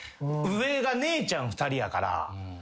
上が姉ちゃん２人やから。